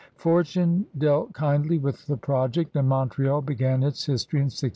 Fortune dealt kindly with the project, and Montreal b^an its history in 1642.